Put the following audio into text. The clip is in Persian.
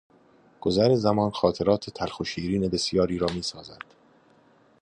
گذر زمان خاطرات تلخ و شیرین بسیاری را میسازد.